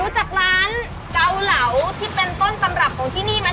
จากร้านเกาเหลาที่เป็นต้นตำรับของที่นี่ไหม